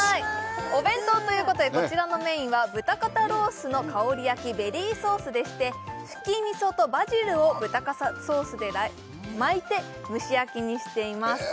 お弁当ということでこちらのメインは豚肩ロースの香り焼きベリーソースでしてふき味噌とバジルソースを豚肩ロースで巻いて蒸し焼きにしています